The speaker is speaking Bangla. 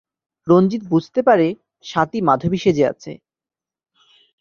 রঞ্জিত বুঝতে পারে স্বাতী মাধবী সেজে আছে।